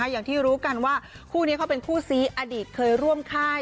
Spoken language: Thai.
อย่างที่รู้กันว่าคู่นี้เขาเป็นคู่ซีอดีตเคยร่วมค่าย